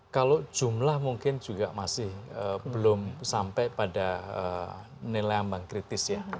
kalau jumlah mungkin juga masih belum sampai pada nilai ambang kritis ya